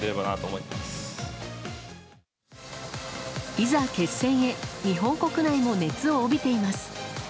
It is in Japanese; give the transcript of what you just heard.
いざ決戦へ、日本国内も熱を帯びています。